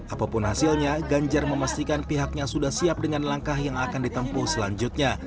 apapun hasilnya ganjar memastikan pihaknya sudah siap dengan langkah yang akan ditempuh selanjutnya